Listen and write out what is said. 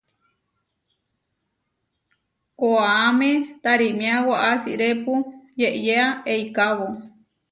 Koʼáme tarímia waʼá asirépu yeʼyéa eikábo.